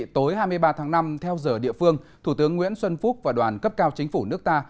tối hai mươi ba tháng năm theo giờ địa phương thủ tướng nguyễn xuân phúc và đoàn cấp cao chính phủ nước ta